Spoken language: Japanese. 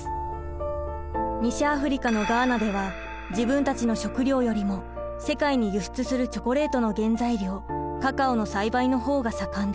西アフリカのガーナでは自分たちの食糧よりも世界に輸出するチョコレートの原材料カカオの栽培のほうが盛んです。